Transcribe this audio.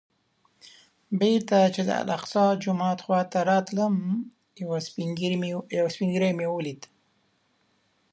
بېرته چې د الاقصی جومات خوا ته راتلم یو سپین ږیری مې ولید.